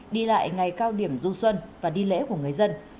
đi lại ngày cao điểm du xuân và đi lễ của người dân